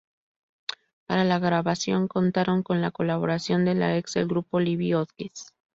Para la grabación contaron con la colaboración de la ex del grupo: Libby Hodges.